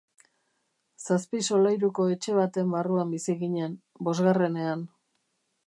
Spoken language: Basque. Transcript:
Zazpi solairuko etxe baten barruan bizi ginen, bosgarrenean.